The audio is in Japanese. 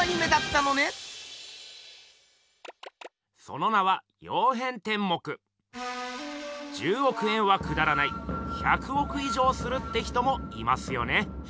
その名は１０億円はくだらない１００億以上するって人もいますよね。